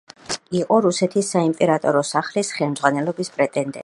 იყო რუსეთის საიმპერატორო სახლის ხელმძღვანელობის პრეტენდენტი.